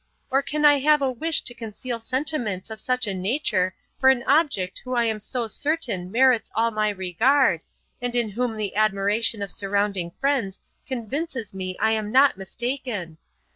Or can I have a wish to conceal sentiments of such a nature for an object who I am so certain merits all my regard, and in whom the admiration of surrounding friends convinces me I am not mistaken.